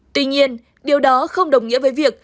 tuy nhiên điều đó không đồng nghĩa với việc